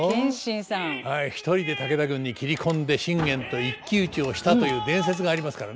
はい一人で武田軍に斬り込んで信玄と一騎打ちをしたという伝説がありますからね。